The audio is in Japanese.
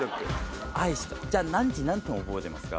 じゃあ何時何分覚えてますか？